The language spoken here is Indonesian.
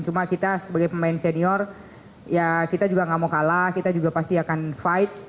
cuma kita sebagai pemain senior ya kita juga gak mau kalah kita juga pasti akan fight